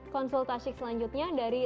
konsultasi selanjutnya dari